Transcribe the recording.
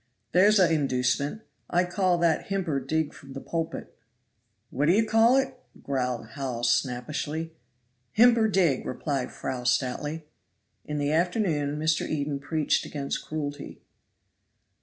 There's a inducement! I call that himper dig from the pulpit. "What d'ye call it?" growled Hawes snappishly. "Himper dig!" replied Fry stoutly. In the afternoon Mr. Eden preached against cruelty.